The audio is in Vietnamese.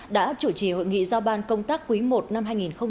đã chủ trì hội nghị giao ban công tác quý i năm hai nghìn hai mươi